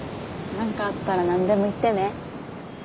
何かあったら何でも言ってね。